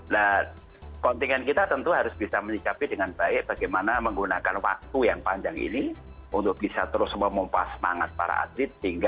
nah kontingen kita tentu harus bisa menyikapi dengan baik bagaimana menggunakan waktu yang panjang ini untuk bisa terus memumpah semangat para atlet